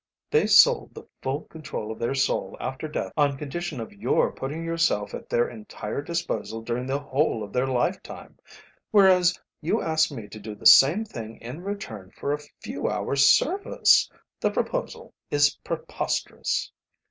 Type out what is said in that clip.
They sold the full control of their soul after death on condition of your putting yourself at their entire disposal during the whole of their lifetime, whereas you ask me to do the same thing in return for a few hours' service. The proposal is preposterous."